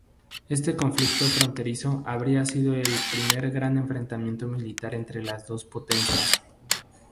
Este conflicto fronterizo habría sido el primer gran enfrentamiento militar entre las dos potencias.